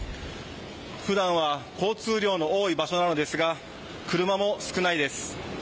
普段は交通量の多い場所なのですが車も少ないです。